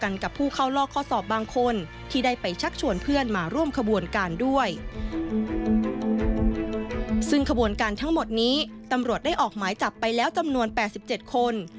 ซึ่งขบวนการทั้งหมดนี้ตำรวจได้ออกหมายจับไปแล้วจำนวน๘๗คน